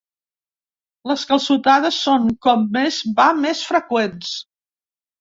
Les calçotades són com més va més freqüents.